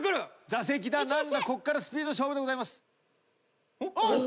座席だ何だこっからスピード勝負でございます。